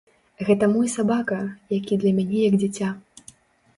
Гэта мой сабака, які для мяне як дзіця.